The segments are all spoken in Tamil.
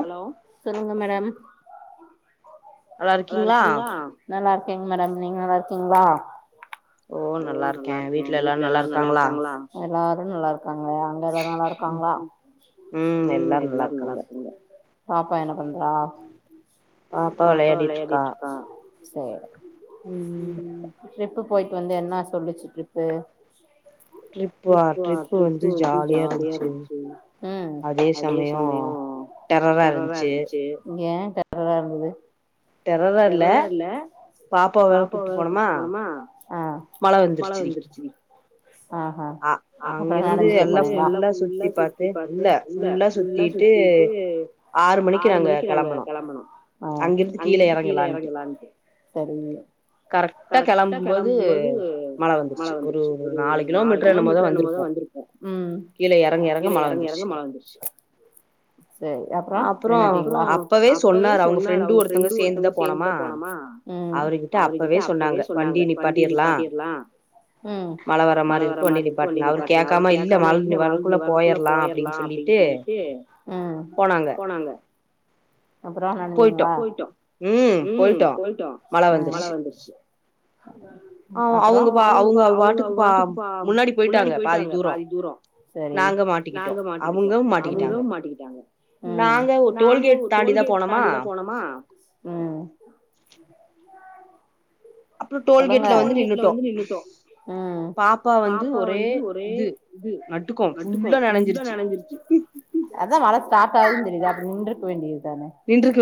ஹலோ நல்லா இருக்கீங்ளா ஓ நல்லாருக்கே வீட்டுல எல்லாரு நல்லா இருக்காங்களா ம் எல்லாரு நல்லாருக்காங்க பாப்பா என்ன பண்றா பாப்பா வெளையா பாப்பா வெளையாடிட்ருக்கா ம் ட்ரிப்பு போயிட்டு வந்து என்னா சொல்லுச்சு ட்ரிப்பு ட்ரிப்பா ட்ரிப்பு வந்து ஜாலியா இருந்துச்சு அதே சமயொ டெரரா இருந்ச்சு டெரா இல்ல பாப்பாவ வேற கூட்டு போனமா மழ வந்துருச்சு ஆ ஹா அப்புறோ நெனஞ்சிட்டே போனீங்ளா இல்ல ஃபுல்லா சுத்திட்டு ஆறு மணிக்கி நாங்க கெளம்பனோ அங்கேருந்து அங்கேருந்து கீழ எறங்கலான்ட்டு கரெக்டா கெளம்பும் போது மழ வந்துருச்சி ஒரு நாலு கிலோமீட்டர் என்னமோதா வந்துருப் கீழ எறங்க எறங்க மழ வந்துருச்சு செரி அப்புறோ நின்னுட்டீங்களா ஃப்ரெண்டு ஒருத்தவுங்க சேந்துதா போனமா அவரு இவுருட்ட அப்பவே சொன்னாங்க வண்டி நிப்பாட்டிர்லா மழ வர மாரி இருக்கு வண்டி நீபாட்டுங்க அவரு கேக்காம இல்ல மழ நீ வரக்குள்ள போயிர்லா அப்டின் சொல்லிட் டு போனாங்க போய்ட்டு ட்டோ ம் போய்ட்டோ மழ வந்துருச்சி அவுங்க பா அவுங்க அவுங்க பாட்டுக்கு பா முன்னாடி போயிட்டாங்க பாதி தூரொ நாங்க மாட்டிக்கிட்டோ அவ்ங்களு மாட்டிக்கிட்டாங்க நாங்க டோல்கேட் தாண்டிதா போனோமா அ டோல்கேட்ல வந்து நின்னுட்டோ பாப்பா வந்து ஒரே இது நடுக்கோ ஃபுல்லா நெனஞ்சிருச்சு அதா மழ ஸ்டார்ட் ஆகுதுன்னு தெரிது அப்டி நின்றுக்க வேண்டியது தான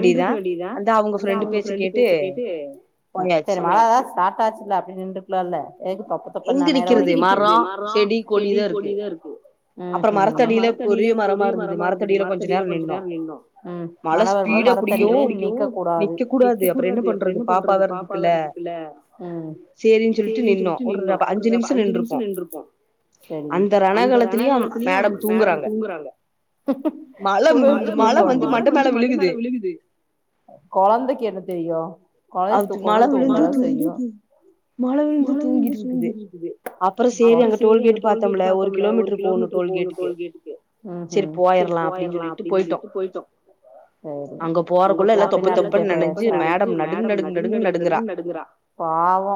நின்றுக்க வேண்டியதா அந்த அவுங்க ஃப்ரண்டு பேச்சு கேட்டு பாத்தாச்சுல்ல அப்டி நின்றுக்லால எதுக்கு பாத் எங்கு நிக்கறது மரொ செடி கொடி தா இருக்கு அப்ற மரத்தடியில பொரிய மரமா இருந்தது மரத்தடியில கொஞ்ச நேரொ நின்னோ மழ வரம்போது மரத்தடில நிக்க கூடாது சேரின்னு சொல்லிட்டு நின்னோ ஒரு அஞ்சு நிமிஷ நின்றுருப்போ அந்த ரணகலத்திலயு மேடம் தூங்குறாங்க மழ மழ வந்து மண்ட மேல விழுகுது கொழந்தைக்கி என்ன தெரியு கொழந்தைக்கு தூக்கோ வந்தா தூங்கதா செய்யு மழபேஞ்ச தூங்கிட்ருக்குது அப்புறொ செரி அங்க டோல்கேட் பாத்தம்ல ஒரு கிலோமீட்டர் போணு டோல்கேட்டுக்கு செரி போயிரலா அப்டின்னு சொல்லிட்டு போயிட்டோ அ அங்க போறேன்னாலு தெப்ப தெப்ப நனஞ்சு ச மேடம் நடுங் நடுங்க நடுங்கு நடுங்கறா பாவோ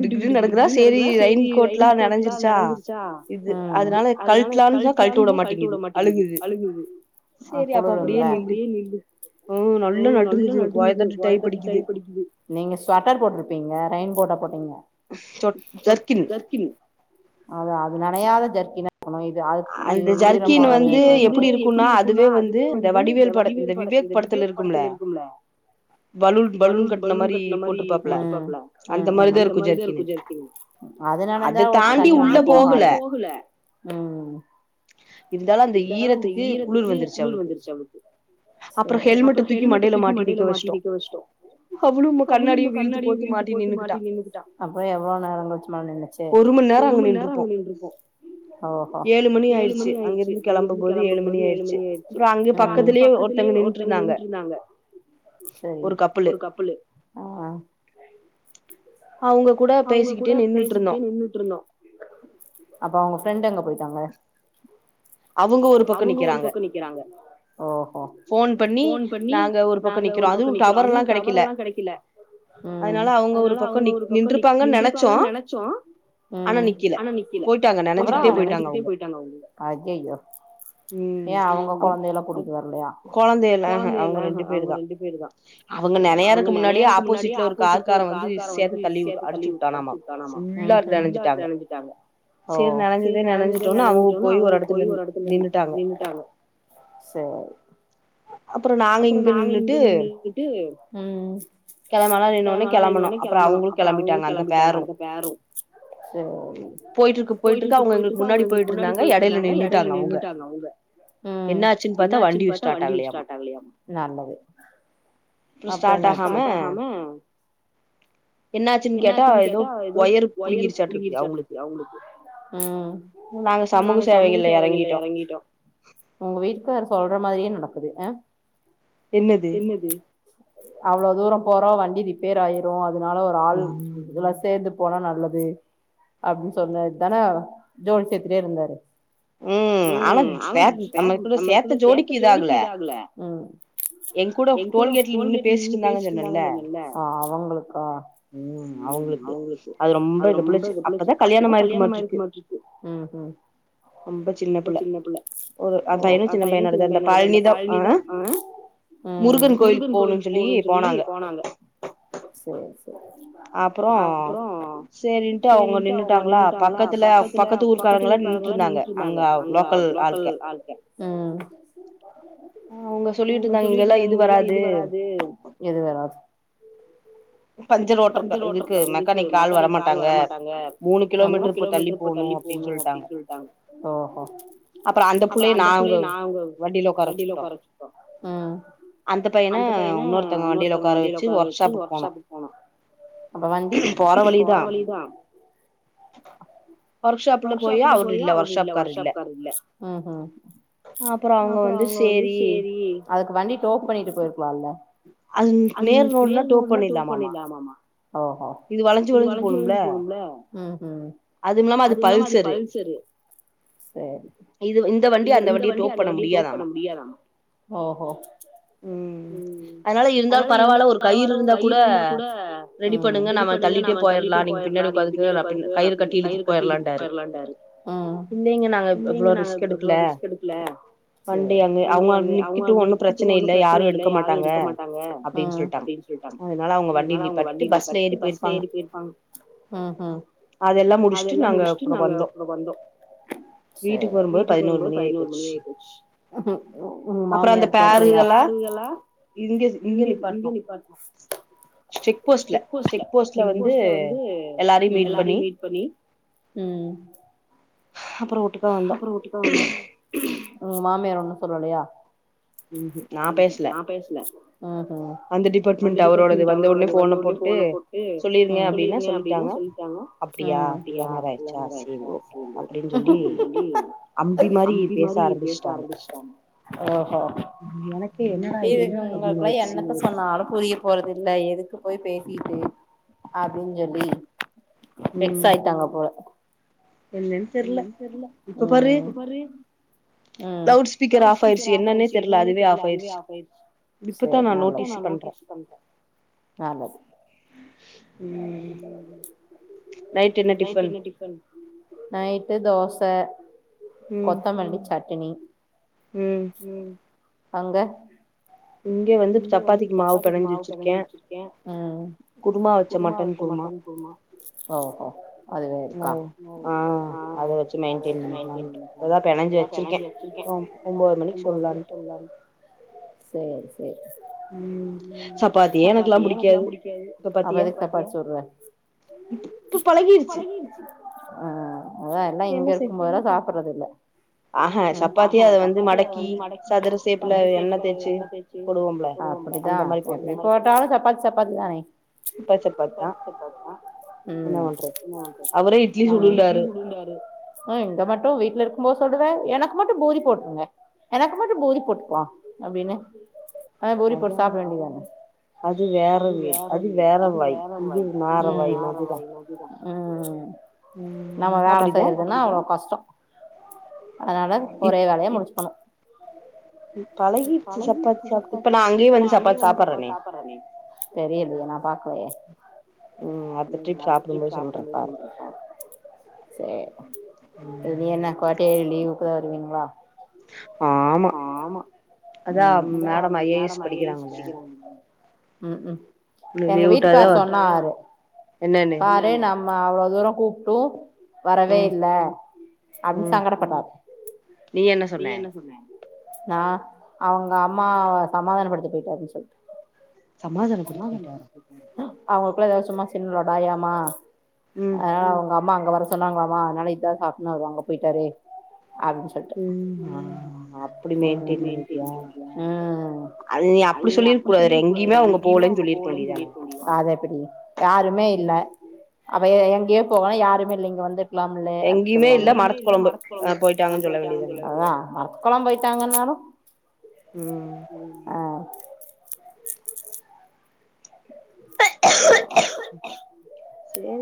கிடுகிடு கிடுனு நடுங்குறா செரி ரெயின்கோட்ல்லா நனஞ்சிருச்சா ஆ அதனால கழட்டலான்னா கழட்ட உட மாட்டேங்குது அழுகுது ஆ குளிரும்ல நல்லா நடுங்கு வாயெல்லா டைப் அடிக்குது நீங்க ஸ்வட்டர் போட்டிருப்பீங்க ரெயின் கோட்டா போட்டீங்க ஜர்கின் அ அது நனையாத ஜர்கினா அது ஈரமாதா ஜெர்கின் வந்து எப்டி இருக்குனா அதுவே வந்து இந்த வடிவேலுபடத் இந்த விக் வடிவேலு படத்துல இருக்குல்ல பலூன் பலூன் கட்ன மாறி பலூன் கட்ன மாரி போட்டுப்பாங்கல்ல அந்த மாதிரி இருக்கு ஜர்க்கின் அத அத தாண்டி உள்ள போகல இருந்தாலு அந்த ஈரத்துக்கு குளுர் வந்துருச்சு அவளுக்கு சரி அப்புற ஹெல்மெட்ட தூக்கி மடியில மாட்டி நிக்க வச்டோ அவளு நம்ம கண்ணாடியு வீட்டு போட்டு மாட்டி நின்னுக்கிட்டா அப்ற எவ்ளோ நேரங் கழிச்சி மழ நின்னுச்சு ஒரு மண் நேரோ அங்க நின்ருப்போ ஓ ஹோ ஏழு மணி ஆயிடுச்சு அங்கிருந்து கெளம்பு போது ஏழு மணி ஆயிருச்சு அங்க பக்கத்துலேயே ஒருத்தவங்க நின்ட்டு இருந்தாங்க ஒரு கப்புலு ஆ ஆ அவங்க கூட பேசிக்கிட்டே நின்னுட்டு இருந்தோ நின்னுட்டு இருந்தோ அப்ப அவங்க ஃப்ரெண்ட் எங்க போயிட்டாங்க அவங்க ஒரு பக்க நிக்கிறாங்க போன் பண்ணி நாங்க ஒரு பக்க நிக்கிறோ அதுவு டவர் எல்லா கெடைக்கல ம் அதனால அவங்க ஒரு பக்கோ நின்ருப்பாங்கன்னு நெனச்சோ அ ஆனா நிக்கல அப்புறோ நனஞ்சுகிட்டே போயிட்டோ அய்யய்யோ ஏ அவங்க கொழந்தை எல்லா கூட்டிட்டு வரலையா கொழந்தையில அவங்க ரெண்டு பேரு தா அவங்க நிறையா இருக் நெனையாததுக்கு முன்னாடியே ஆப்போசிட்ல ஒரு கார் கார வந்து இடிச்சி சேத்த தள்ளி உட்டு அடிச்சி விட்டானாமா ஓ செரி நனஞ்சதே நனஞ்சிட்டோனு அவங்க போய் ஒரு எடத்துல நின் நின்னுட்டாங்க சேரி அப்றோ நாங்க இங்க நின்னுகிட்டு கிளம்பலானு நின்னோன கிளம்பணு அப்றோ அவங்களு கிளம்பிட்டாங்க அந்த பேர்ரூ போயிட்டு இருக்க போயிட்டு இருக்க அவங்க எங்களுக்கு முன்னாடி போயிட்டு இருந்தாங்க இடையில நின்னுட்டாங்க அவங்க ம் என்ன ஆச்சுன்னு பாத்தா வண்டி வச்சு தர்லயா நல்லது அப்ற என்னாச்சி அது ஸ்டார்ட் ஆகாம என்னாச்சுன்னு கேட்டா ஏதோ ஒயர் புடுங்கிச்சாட்ருக்கு அவங்களுக்கு ம் நாங்க சமூக சேவைகள்ல எறங்கிட்டோ உங்க வீட்டுக்காரு சொல்ற மாதிரியே நடக்குது அ என்னது எது அவ்ளோ தூரோ போறோ வண்டி ரிப் பேர் ஆயிரு அதனால ஒரு ஆள் இதுல சேர்ந்து போனா நல்லது அப்டின்னு சொன்னது தான ஜோடி சேர்த்திட்டே இருந்தாரு ம் ஆனா சே நம்மக்குள்ள சேத்த ஜோடிக்கு இத ஆகல ஆ என் கூட டோல்கேட்ல நின்னு பேசிட்டு இருந்தாங்கன்னு சொன்னல்ல ஆ அவுங்களுக்கா ம் அவங்ளுக்கு அது ரொம்ப இந்த பிள்ளை அப்பதா கல்யாணமாயிருக்க ம் ம் ரொம்ப சின்ன புள்ள அந்த பையனு சின்ன பைய்யனா இருக்கா அந்த பழனிதா ஆ ம் முருகன் கோயில் போணுன் சொல்லி போனாங்க சேரி அப்றோ சேரின்ட்டு அவுங்க நின்னுட்டாங்ளா பக்கத்துல பக்கத்து ஊர் காரங்களா நின்ட்ருந்தாங்க அங்க லோக்கல் ஆல்க ம் அவுங்க சொல்லிட்டு இருந்தாங்க இங்கெல்லா இது வராது பஞ்சர் ஓட்டருக் இதுக்கு மெக்கானிக் ஆள் வரமாட்டாங்க ஒரு கிலோமீட்டர் போ தள்ளி போணு அப்டின் சொல்லிட்டாங்க ஓஹோ அப்றோ அந்த புள்ளய நாங்க வண்டில உக்காரவெச்சி ம் அந்த பைய்யன இன்னொருத்தவங்க வண்டில ஒக்கார வெச்சு ஒர்க்ஷாப் அப்ப வண்டி போற வழிதா வொர்க்க்ஷாப்பல போயி அவரு இல்ல வொர்க்க்ஷாப்கார் இல்ல அப்றோ அவங்க வந்து சேரி அதுக்கு வண்டி டோப் பண்ணிட்டு போயிருக்கலால்ல அது மேல் நோடுனா டோ பண்ணிலாமாமா இது வளஞ்சு வளஞ்சு போகும்ல உஹூம் அதுவு இல்லாம அது பள்சரு சேரி இது இந்த வண்டி அந்த வண்டிய டோப் பண்ண முடியாதாமா ஓஹோ ம் இருந்தாலு பரவால்ல ஒரு கயிறு இருந்தா கூட ரெடி பண்ணுங்க நம்ம தள்ளிட்டே போயர்லா நீங்க பின்னாடி உக்கா சிலபேர் அப்டி இல்லக்கயிறு கயிறு கட்டி இழுத்ட்டு போயிரலாடாரு ம் இங்க நாங்க எவ்ளோ ரிஸ்க் எடுக்கல சேர் வண்டி அங்க அவங்க நிறுத்திட்டு ஒன்னு ப்ரச்சன இல்ல யாரும் எடுக்க மாட் ட்டாங்க ம் அப்டின் சொல்ட்டாங்க அதனால அவங்க வண்டி நிப்பாட்டு பஸ்ல ஏறி போயி ஆ உஹூம் அதெல்லா முடிச்ட்டு நாங்க வந்தோ சேர் வீட்டுக்கு வரும்போது பதினோரு மணி ஆயி போச்சி உங்க மாமியார் அப்றோ இந்த காருங்களா இங்க இங்க நிப்பா செக் போஸ்ட்ல செக் போஸ்ட் ல வந்து எலா ரயு மீட் பண்ணி ம் அப்றோ அப்றோ ஓட்டி தா வந்தோ உங்க மாமியார் ஒண்ணு சொல்லலையா நா பேசல அந்த டிபார்ட்மெண்ட் அவரோட வந்த ஒடனே போன போட் டு ம் சொல்லிருங்க அப்டின்னு சொல்லிட்டாங்க அப்டியா நல்ல மாரியாச்சா அம்பி மாரி பேச ஆரம்பிச்ட்டாங்க ஓஹோ இது உங்களுக்லா என்னத்த சொன்னாலு புரியு போறது இல்லை எதுக்கு போயி பேசிட்டு அப்டின்னு சொல்லி வெக்ஸ் ஆயிட்டாங்க போல என்னன் தெர்ல தெர்ல ம் ஒரே ம் லவுட்ஸ்பீக்கர் ஆஃப் ஆயிருச்சு என்னனே தெர்ல அதுவே ஆஃப் ஆயிருச்சு சேர் நல்லது நல்லது [inaudible] நைட் என்ன டிஃபன் நைட்டு தோச கொத்தமல்லி சட்டினி ம் ம் அங்க இங்க வந்து சப்பாத்திக்கு மாவு பெனஞ்சி வெச்சிருக்கே குருமா வெச்ச மட்டன் குருமா அ அது வெச்சு மெயின்டெயின் பண்ணிப்போ இபதா பெனஞ்சி வெச்சிருக்கே ரொம்ப சொல்ல சேரி சே ம் சப்பாத்தியே எனக்லா புடிக்காது இப்ப பழகிருச்சி ஆ அதா எல்லா இங்க இருக்கும் போதுலா சாப்பறதில்ல ஆஹ சப்பாத்தியா அத வந்து மடக்கி சதுர சேப்புல எண்ணெ தேச்சு அப்புடிதா எப்டி போட்டாலு சப்பாத்தி சப்பாத்தி தானே சப்பாத்தி சப்பாத்திதா ம் அவரே இட்லியு சுடுன்டாரு அ இங்க மட்டு வீட்ல இருக்கும்போ சொல்லுறே எனக்கு மட்டும் பூரி போட்ருங்க எனக்கு மட்டும் பூரி போட்டுக்லா அப்டினு ஆ பூரி போட்டு சாப்ட வேண்டிதானே அது வேற [unintelligible] அது வேற வாயி இது நார வாயி ம் நம்ம வேல செய்றதுனா அவ்ளோ கஷ்டோ அதனால ஒரே வேலையா முடிச்சுகுணு பழகிருச்சி சாப்பாத்தி சாப்ட்டு இப்ப நா அங்கியு வந்து சாப்பாத் சாப்பர்றனே தெரியலையே நாப் பாக்லையே ம் அதுக்கே [inaudible] இனி என்ன கோட்டேலி லீவுக்குதா வருவீங்ளா ஆமா ம் அதா மேடம் ஐ ஏ எஸ் படிகிறாங் ம் ம் எங்க வீட்டுக்கார் சொன்னாரு பார் ரு நம்ம அவ்ளோ தூரோ கூப்ட்டு வரவே இ இல்ல அப்டினு சங்கடப்பட்டார் நா அவுங்க அம்மாவ சமாதானப்படுத்த போயிட்டாருன் சொல் அவுங்களுக்குள்ள எதாவ்து சும்மா சின்ன லொடாயாமா அதனால அவுங்க அம்மா அங்க வர சொன்னாங்ளாம்மா அதனால இதா சாக்குனு அவரு அங்கப் போயிட்டாரே அப்டின்சு சொல்ட்ட ம் ம் அது நீ அப்டி சொல்லிர்க்கூடாது வேற எங்கியுமே அவுங்கப் போலன் சொல்லிர்க்க முடியு யாருமே இல்ல அவெ எ எங்கயேப் போவானா யாருமே இல்ல இங்க வந்துட் க்லாமில்லே அப்டி சொல்லுவாங்கல் அதுதா மரத் கொழம் போயிட்டாங்கன்னாலு ம் ஆ [inaudible]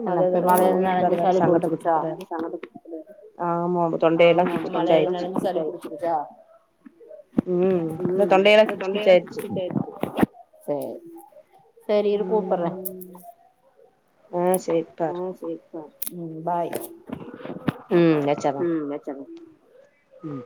என்னப்போய் மழைல நெனஞ்சி சளிப் புடுச்சுகிச்சா அப்ப மழைல நெனஞ்சி சளிப் புடிச்சுகிச்சா ம் அதா தொண்டையலா [unintelligible] இருக்கு சேரி இரு கூப்பர்றே ஆ சே ஆ சேரிப்பா ம் பாய் ம் வெச்சர்ரே ம்